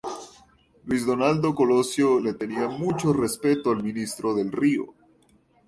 Luis Donaldo Colosio le tenía mucho respeto al ministro del Río.